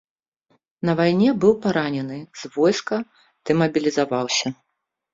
На вайне быў паранены, з войска дэмабілізаваўся.